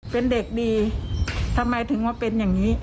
เป็นเด็กดีทำไมถึงมาเป็นอย่างนี้